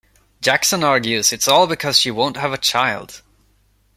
Jackson argues it's all because she won't have a child.